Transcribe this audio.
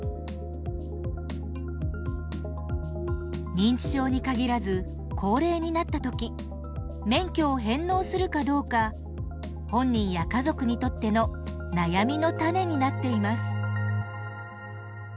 認知症に限らず高齢になった時免許を返納するかどうか本人や家族にとっての悩みのタネになっています。